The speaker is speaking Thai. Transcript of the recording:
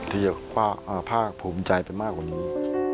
ที่จะภาคภูมิใจไปมากกว่านี้